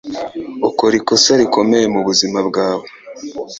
Ukora ikosa rikomeye mubuzima bwawe.